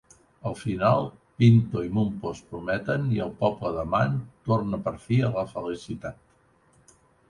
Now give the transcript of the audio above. Al final, Pinto i Mumpo es prometen i el poble de Manth torna per fi a la felicitat.